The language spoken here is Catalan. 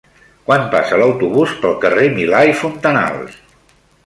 Quan passa l'autobús pel carrer Milà i Fontanals?